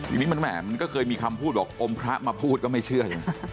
อีกนิดนึงมันแหละมันก็เคยมีคำพูดว่าอมพระมาพูดก็ไม่เชื่อ